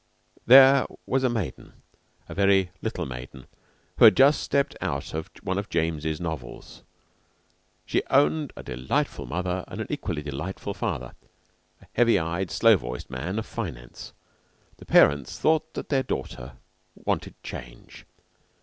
There was a maiden a very little maiden who had just stepped out of one of James's novels. She owned a delightful mother and an equally delightful father a heavy eyed, slow voiced man of finance. The parents thought that their daughter wanted change.